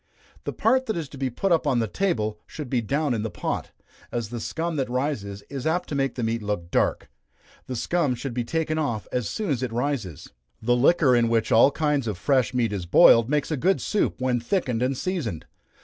The part that is to be up on the table, should be down in the pot, as the scum that rises is apt to make the meat look dark the scum should be taken off as soon as it rises. The liquor in which all kinds of fresh meat is boiled, makes a good soup, when thickened and seasoned.